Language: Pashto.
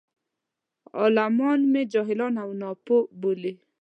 عالمان مې جاهل او ناپوه بولي.